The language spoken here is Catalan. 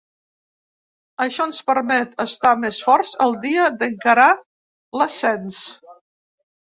Això ens permet estar més forts el dia d’encarar l’ascens.